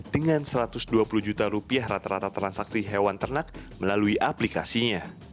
dengan satu ratus dua puluh juta rupiah rata rata transaksi hewan ternak melalui aplikasinya